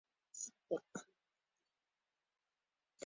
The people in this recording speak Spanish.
La masía se localiza en un paraje de suave pendiente al sudoeste.